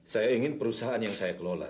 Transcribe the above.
saya ingin perusahaan yang saya kelola